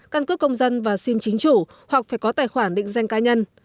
căn cướp công dân và xin chính chủ hoặc phải có tài khoản định danh cá nhân